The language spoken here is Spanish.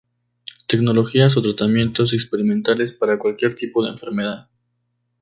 Tecnologías o tratamientos experimentales para cualquier tipo de enfermedad.